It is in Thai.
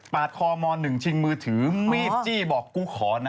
คอม๑ชิงมือถือมีดจี้บอกกูขอนะ